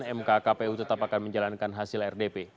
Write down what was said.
mk kpu tetap akan menjalankan hasil rdp